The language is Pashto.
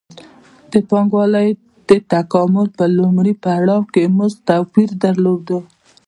د پانګوالۍ د تکامل په لومړي پړاو کې مزد توپیر درلود